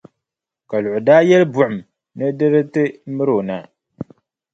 Kaluɣi daa yɛli buɣum ni di di ti miri o na.